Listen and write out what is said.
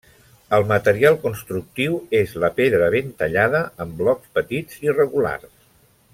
El material constructiu és la pedra ben tallada en blocs petits i regulars.